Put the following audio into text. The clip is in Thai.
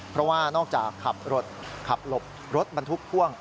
เพราะว่านอกจากขับรถขับหลบรถบรรทุกพ่วง